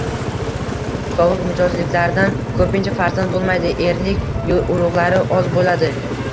Sovuq mijozliklardan ko'pincha farzand bo‘lmaydi, erlik urug‘lari oz bo‘ladi.